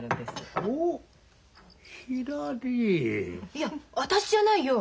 いや私じゃないよ。